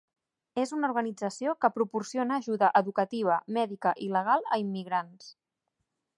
És una organització que proporciona ajuda educativa, mèdica i legal a immigrants.